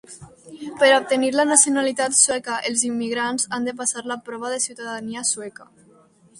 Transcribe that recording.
Per obtenir la nacionalitat sueca, els immigrants han de passar la prova de ciutadania sueca.